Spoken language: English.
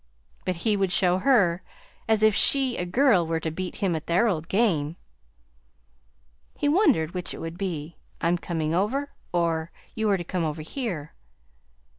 "But he would show her! As if she, a girl, were to beat him at their old game! He wondered which it would be: 'I'm coming over,' or, 'You are to come over here.'